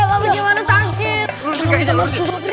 jangan sakit sakit